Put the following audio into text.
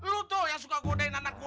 lo tuh yang suka godain anak gue